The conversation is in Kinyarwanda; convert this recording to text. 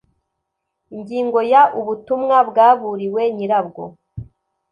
ingingo ya ubutumwa bwaburiwe nyirabwo